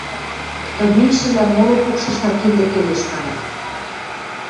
Тыменьшӹвлӓм моло пукшашна киндӹ келеш, – маныт.